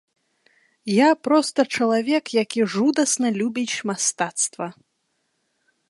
Я проста чалавек, які жудасна любіць мастацтва.